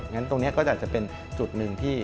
งั้นตรงนี้ก็อาจจะเป็นจุดหนึ่งที่